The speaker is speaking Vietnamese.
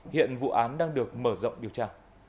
hiện vụ án đang được mở rộng điều tra